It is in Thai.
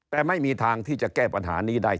แต่ไม่มีทางที่จะแก้ปัญหานี้ได้